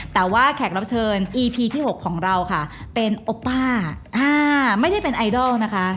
แต่ว่าแขกรับเชิญอีพีที่๖ของเราค่ะเป็นโอป้าไม่ได้เป็นไอดอลนะคะ